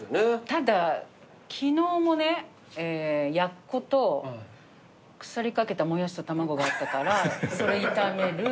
ただ昨日もねやっこと腐りかけたモヤシと卵があったからそれ炒める。